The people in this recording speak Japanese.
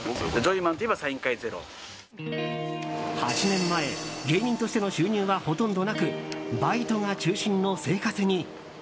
８年前、芸人としての収入はほとんどなくバイトが中心の生活に。